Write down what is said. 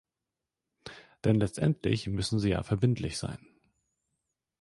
Denn letztendlich müssen sie ja verbindlich sein.